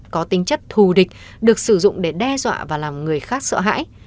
có tính chất thù địch được sử dụng để đe dọa và làm người khác sợ hãi